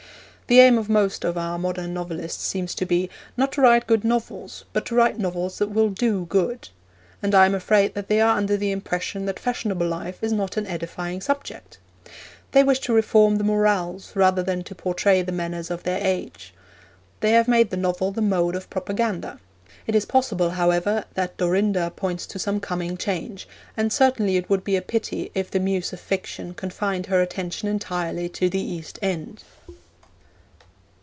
The aim of most of our modern novelists seems to be, not to write good novels, but to write novels that will do good; and I am afraid that they are under the impression that fashionable life is not an edifying subject. They wish to reform the morals, rather than to portray the manners of their age. They have made the novel the mode of propaganda. It is possible, however, that Dorinda points to some coming change, and certainly it would be a pity if the Muse of Fiction confined her attention entirely to the East End.